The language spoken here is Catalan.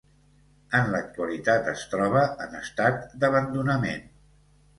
En l'actualitat es troba en estat d'abandonament.